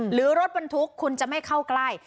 หรือรถบรรทุกคุณจะไม่เข้าใกล้